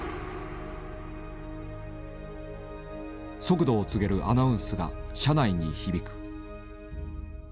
速度を告げるアナウンスが車内に響く。